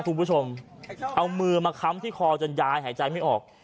คุณผู้ชมเอามือมาค้ำที่คอจนยายหายใจไม่ออก